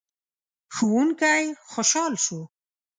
ښوونکی خوشحال شو.